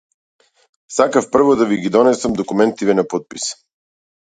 Сакав прво да ви ги донесам документиве на потпис.